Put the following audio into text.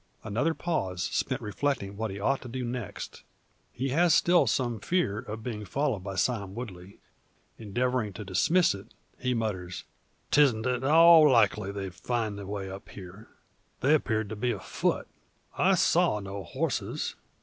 Another pause spent reflecting what he ought to do next. He has still some fear of being followed by Sime Woodley. Endeavouring to dismiss it, he mutters: "'Tisn't at all likely they'd find the way up here. They appeared to be afoot. I saw no horses.